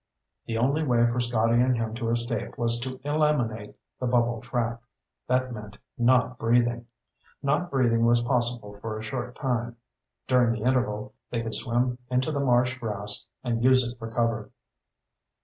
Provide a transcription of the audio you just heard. The only way for Scotty and him to escape was to eliminate the bubble track. That meant not breathing. Not breathing was possible for a short time. During the interval, they could swim into the marsh grass and use it for cover.